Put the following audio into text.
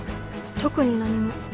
特に何も。